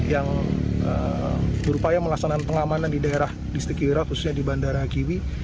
yang berupaya melaksanakan pengamanan di daerah distrik wira khususnya di bandara kiwi